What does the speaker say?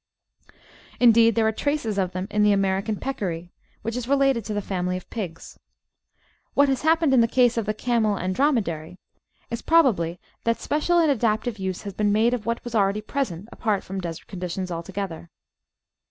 Indeed, there are traces of them in the American Peccary, which is related to the family of pigs. What has hap pened in the case of the Camel and Dromedary is probably that 468 The Outline of Science special and adaptive use has been made of what was already present apart from desert conditions altogether.